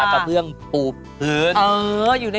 กระเบื้องปูน